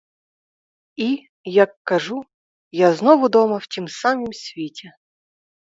І, як кажу, я знов удома в тім самім світі.